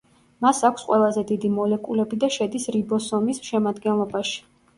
მას აქვს ყველაზე დიდი მოლეკულები და შედის რიბოსომის შემადგენლობაში.